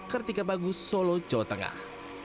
kartika bagus solo jawa tengah